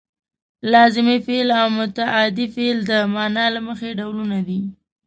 لازمي فعل او متعدي فعل د معنا له مخې ډولونه دي.